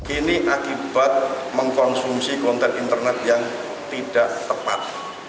ini akibat mengkonsumsi konten internet yang tidak tepat